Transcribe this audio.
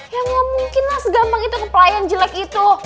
ya gak mungkin lah segampang itu ke pelayan jelek itu